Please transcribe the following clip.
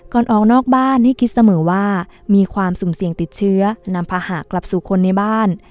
ออกนอกบ้านให้คิดเสมอว่ามีความสุ่มเสี่ยงติดเชื้อนำพาหะกลับสู่คนในบ้าน